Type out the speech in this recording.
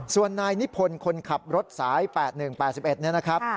ส่วนนายนิพพลคนขับรถสาย๘๑นี่นะครับ